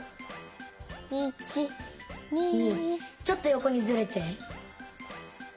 ちょっとよこにずれて。